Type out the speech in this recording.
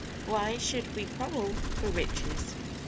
WHY SHOULD WE QUARREL FOR RICHES.